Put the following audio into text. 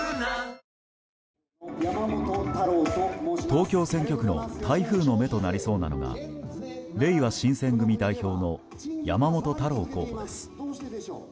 東京選挙区の台風の目となりそうなのがれいわ新選組代表の山本太郎候補です。